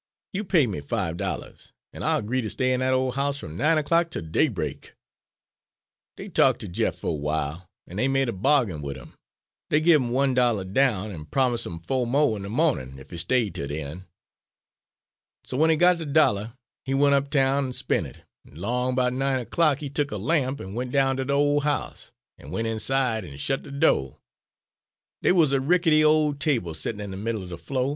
You pay me de five dollahs, an' I'll 'gree ter stay in de ole house f'm nine er clock 'tel daybreak.' "Dey talk' ter Jeff a w'ile, an' dey made a bahgin wid 'im; dey give 'im one dollah down, an' promus' 'im fo' mo' in de mawnin' ef he stayed 'tel den. "So w'en he got de dollah he went uptown an' spent it, an' 'long 'bout nine er clock he tuk a lamp, an' went down ter de ole house, an' went inside an' shet de do'. "Dey wuz a rickety ole table settin' in de middle er de flo'.